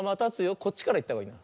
こっちからいったほうがいい。